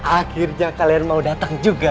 akhirnya kalian mau datang juga